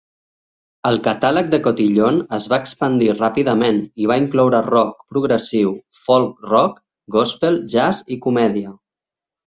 El catàleg de Cotillion es va expandir ràpidament i va incloure rock progressiu, folk-rock, gòspel, jazz i comèdia.